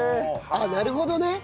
ああなるほどね！